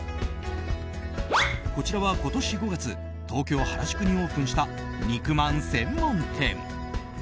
こちらは今年５月東京・原宿にオープンした肉まん専門店。